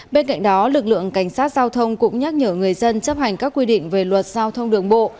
bên cạnh đó lực lượng cảnh sát giao thông cũng nhắc nhở người dân chấp hành các quy định về luật giao thông đường bộ